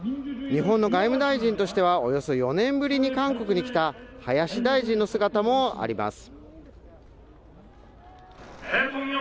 日本の外務大臣としてはおよそ４年ぶりに韓国に来た林大臣の姿もあります